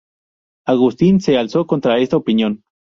Agustín se alzó contra esta opinión.